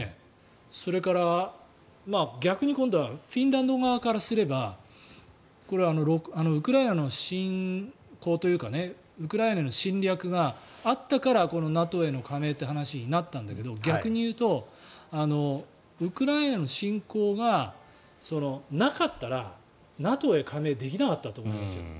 それから、逆に今度はフィンランド側からすればこれはウクライナの侵攻というかウクライナへの侵略があったからＮＡＴＯへの加盟という話になったんだけど逆に言うとウクライナへの侵攻がなかったらＮＡＴＯへ加盟できなかったと思いますよ。